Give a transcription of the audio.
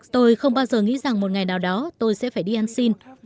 tôi không bao giờ nghĩ rằng một ngày nào đó tôi sẽ phải đi ăn xin